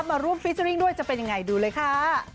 มาร่วมฟิเจอร์ริ่งด้วยจะเป็นยังไงดูเลยค่ะ